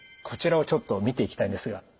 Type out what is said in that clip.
こちらをちょっと見ていきたいんですが。